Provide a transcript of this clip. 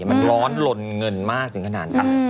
มันร้อนลนเงินมากถึงขนาดนั้น